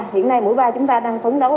hiện nay mũi ba chúng ta đang phấn đấu